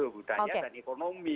budaya dan ekonomi